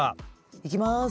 いきます。